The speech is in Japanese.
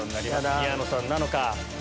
宮野さんなのか？